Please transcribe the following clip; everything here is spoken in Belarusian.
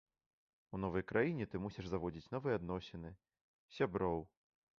У новай краіне ты мусіш заводзіць новыя адносіны, сяброў.